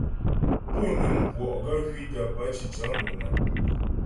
Pú nuŋ puɔ' gaə́ hwitə pə́ cǐcə monəŋ.